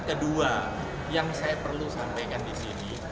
kedua yang saya perlu sampaikan di sini